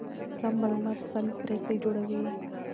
سم معلومات سمې پرېکړې جوړوي.